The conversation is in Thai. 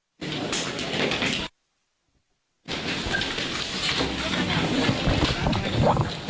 ว่านั่งยังปลุก